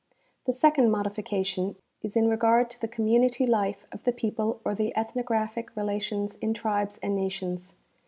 The second modification is in regard to the community life of the people or the ethnographic relations in tribes and nations.